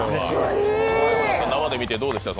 生で見てどうでしたか。